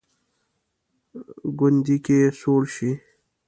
ګوندې که سوړ شي.